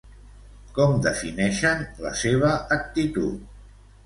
Com defineixen la seva actitud?